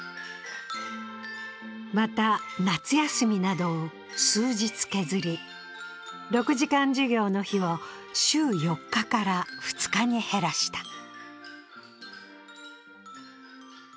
また、夏休みなどを数日削り６時間授業の日を週４日から２日に減らした。